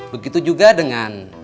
begitu juga dengan